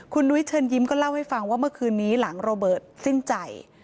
คุณนุ้ยเชิญยิ้มก็เล่าให้ฟังว่าเมื่อคืนนี้หลังโรเบิร์ตสิ้นใจ